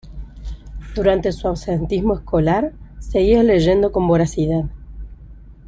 Durante su absentismo escolar, seguía leyendo con voracidad.